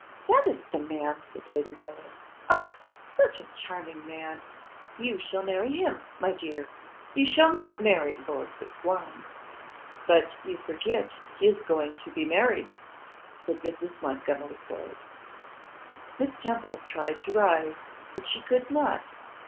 'That is the man,' said Lady Bellair. 'Oh! such a charming man. You shall marry him, my dear; you shall not marry Lord Fitzwarrene.' 'But you forget he is going to be married,' said Mrs. Montgomery Floyd. Miss Temple tried to rise, but she could not.